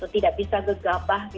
tidak bisa gegabah